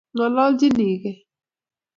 Kongolchinikei